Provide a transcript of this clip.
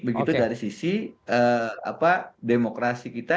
begitu dari sisi demokrasi kita